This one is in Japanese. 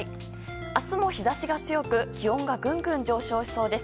明日も日差しが強く気温がぐんぐん上昇しそうです。